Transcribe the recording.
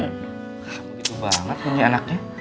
begitu banget punya anaknya